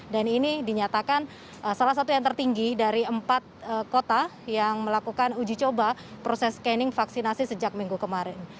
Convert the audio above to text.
dan ini dinyatakan salah satu yang tertinggi dari empat kota yang melakukan uji coba proses scanning vaksinasi sejak minggu kemarin